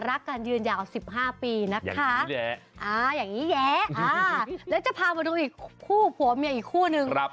รักกันยืนยาว๑๕ปีนะคะอย่างนี้แยะแล้วจะพามาดูอีกคู่ผัวเมียอีกคู่นึง